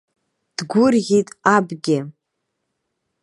Дгәырӷьеит абгьы!